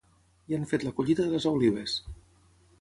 Ja han fet la collita de les olives.